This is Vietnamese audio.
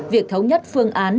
việc thống nhất phương án